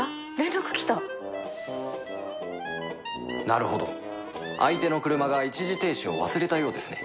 なるほど相手の車が一時停止を忘れたようですね